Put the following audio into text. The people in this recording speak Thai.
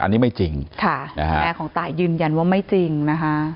อันนี้ไม่จริงค่ะแม่ของตายยืนยันว่าไม่จริงนะคะ